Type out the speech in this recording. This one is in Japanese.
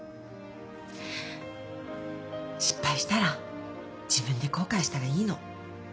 失敗したら自分で後悔したらいいの。